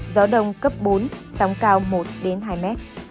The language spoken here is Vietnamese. gió đông cấp bốn sóng cao một hai m